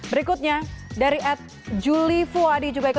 berikutnya dari ad juli fuwadi